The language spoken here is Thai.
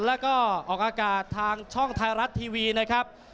แล้วก็ออกอากาศทางช่องไทยรัฐทีวีนะครับ